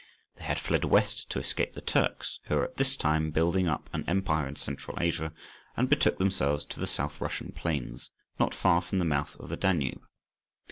They had fled west to escape the Turks, who were at this time building up an empire in Central Asia, and betook themselves to the South Russian plains, not far from the mouth of the Danube.